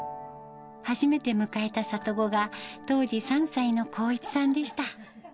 初めて迎えた里子が当時３歳の航一さんでした。